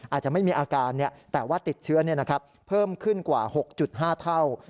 อาจจะไม่มีอาการแต่ว่าติดเชื้อเพิ่มขึ้นกว่า๖๕เท่า